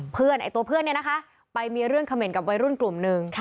ไอ้ตัวเพื่อนเนี่ยนะคะไปมีเรื่องเขม่นกับวัยรุ่นกลุ่มหนึ่ง